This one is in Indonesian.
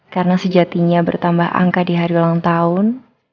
karena sejatinya bertambah angka di hari ulang tahun